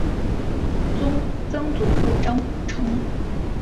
曾祖父张谷成。